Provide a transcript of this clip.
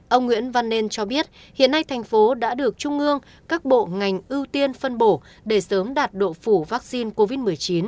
ông nguyễn văn nên cho biết hiện nay thành phố đã được trung ương các bộ ngành ưu tiên phân bổ để sớm đạt độ phủ vaccine covid một mươi chín